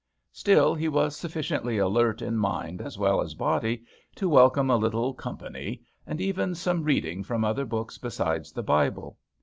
Still, he was sufficiently alert in mind as well as body to welcome a little "company," and even some reading from other books besides the Bible.